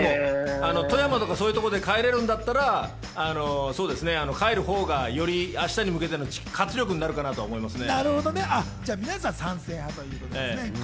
でも富山とか、そういうところで帰れるんだったら帰るほうがより明日に向けての活力にはなるかなと思いますね。